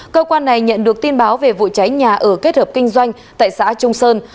cơ quan này nhận được tin báo về vụ cháy nhà ở kết hợp kinh doanh tại xã trung sơn